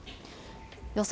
予想